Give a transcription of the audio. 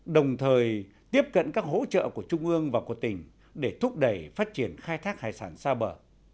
đồng thời tiếp cận các hỗ trợ của trung ương và của tỉnh để thúc đẩy phát triển khai thác hải sản xa bờ